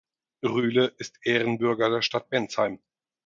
Rühle ist Ehrenbürger der Stadt Bensheim.